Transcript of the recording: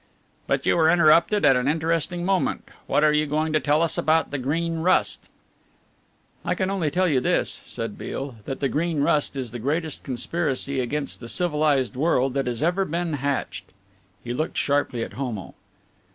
"But you were interrupted at an interesting moment. What are you going to tell us about the Green Rust?" "I can only tell you this," said Beale, "that the Green Rust is the greatest conspiracy against the civilized world that has ever been hatched." He looked sharply at Homo.